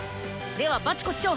ではバチコ師匠！